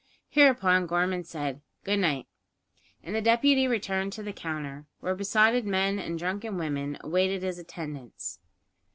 Hereupon Gorman said "Good night," and the deputy returned to the counter, where besotted men and drunken women awaited his attendance.